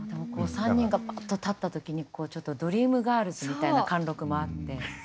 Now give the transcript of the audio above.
３人がパッと立った時にこうちょっと「ドリームガールズ」みたいな貫禄もあって。